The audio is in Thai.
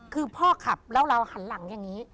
คือพ่อขับแล้วเราหันหลังอย่างนี้